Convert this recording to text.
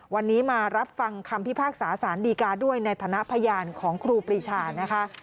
วันนี้มารับฟังคำพิพากษาสารดีกาด้วยในฐานะพยานของครูปรีชานะคะ